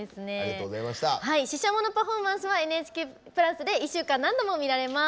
ＳＨＩＳＨＡＭＯのパフォーマンスは「ＮＨＫプラス」で１週間何度も見られます。